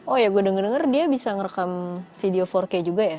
oh ya gue denger denger dia bisa ngerekam video empat k juga ya